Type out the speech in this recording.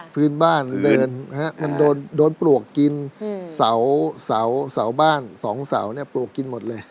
พื้นบ้านเดินมันโดนปลวกกินเสาบ้านสองเสาเนี่ยปลวกกินหมดเลย